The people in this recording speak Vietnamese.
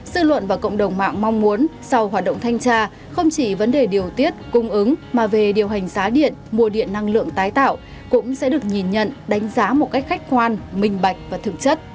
sự luận và cộng đồng mạng mong muốn sau hoạt động thanh tra không chỉ vấn đề điều tiết cung ứng mà về điều hành giá điện mua điện năng lượng tái tạo cũng sẽ được nhìn nhận đánh giá một cách khách hoàn minh bạch